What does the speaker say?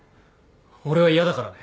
俺は嫌だからね。